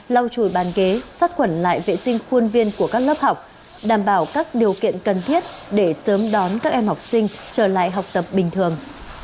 lau chùi bàn ghế sát quẩn lại vệ sinh khuôn viên của các lớp học đảm bảo các điều kiện cần thiết để sớm đón các em học sinh trở lại học tập bình thường